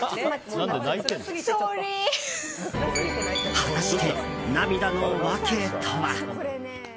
果たして、涙の訳とは？